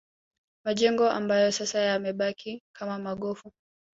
Majengo ambayo sasa yamebaki kama magofu